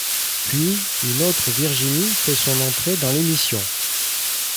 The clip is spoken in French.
Puis une autre Virginie fait son entrée dans l'émission.